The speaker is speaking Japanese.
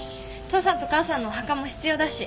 父さんと母さんのお墓も必要だし。